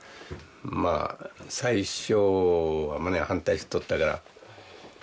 まあ最初は反対しとったから。